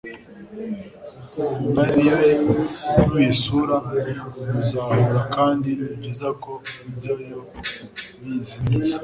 Nawe nuyisura muzahura kandi nibyiza ko ujyayo uyizi neza